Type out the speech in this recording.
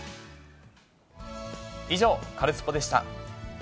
以上、カルスポっ！でした。